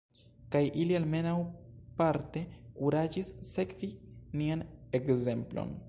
Kaj ili almenaŭ parte kuraĝis sekvi nian ekzemplon.